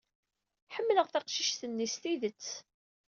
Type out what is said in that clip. Ḥemmleɣ taqcict-nni s tidet.